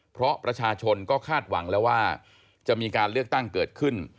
เพราะประชาชนก็คาดหวังแล้วว่าจะมีการเลือกตั้งเกิดขึ้น